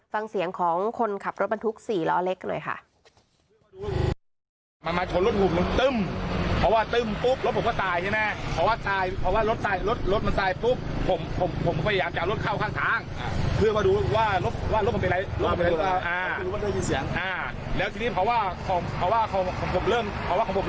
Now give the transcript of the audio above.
ฟังเสียงของคนขับรถบรรทุก๔ล้อเล็กหน่อยค่ะ